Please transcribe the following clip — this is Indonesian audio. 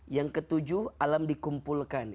yang ketujuh alam dikumpulkan